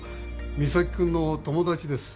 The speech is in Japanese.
三崎君の友達です。